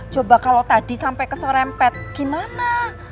coba kalau tadi sampai kesorempet gimana